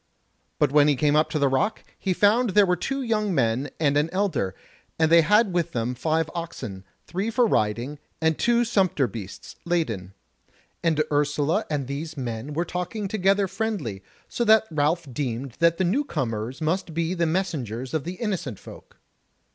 But when he came up to the rock, he found there two young men and an elder, and they had with them five oxen, three for riding, and two sumpter beasts, laden: and Ursula and these men were talking together friendly; so that Ralph deemed that the new comers must be the messengers of the Innocent Folk.